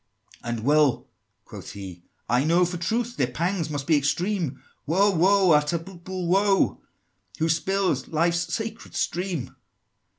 XIII. "And well," quoth he, "I know, for truth, Their pangs must be extreme, Woe, woe, unutterable woe, Who spill life's sacred stream!